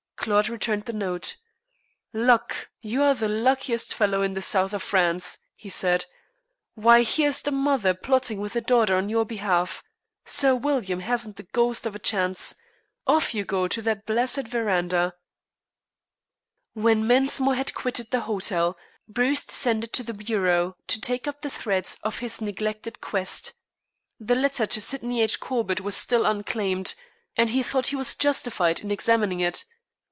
Claude returned the note. "Luck! you're the luckiest fellow in the South of France!" he said. "Why, here's the mother plotting with the daughter on your behalf. Sir William hasn't the ghost of a chance. Off you go to that blessed verandah." When Mensmore had quitted the hotel Bruce descended to the bureau to take up the threads of his neglected quest. The letter to Sydney H. Corbett was still unclaimed, and he thought he was justified in examining it.